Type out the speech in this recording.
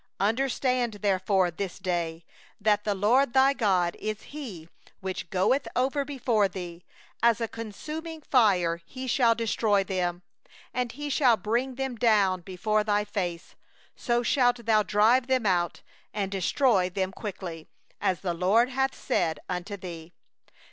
3Know therefore this day, that the LORD thy God is He who goeth over before thee as a devouring fire; He will destroy them, and He will bring them down before thee; so shalt thou drive them out, and make them to perish quickly, as the LORD hath spoken unto thee.